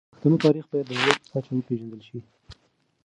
د پښتنو تاريخ بايد د نړۍ په کچه وپېژندل شي.